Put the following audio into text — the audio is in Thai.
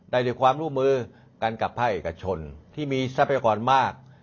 ได้ด้วยความร่วมมือกันกับภาคเอกชนที่มีทรัพยากรมาก